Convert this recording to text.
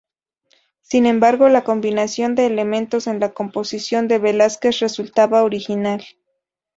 Sin embargo, la combinación de elementos en la composición de Velázquez resultaba original.